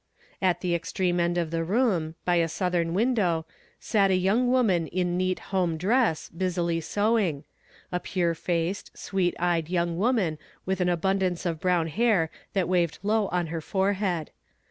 At the extreme end of the room, by a soutliern window, sat a young woman in neat home dress, busily sewing, — a pure faced, sweet eyed young woman with an abundance of brown hair that waved low on her forehead.